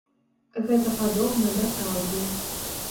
Гэта падобна да праўды.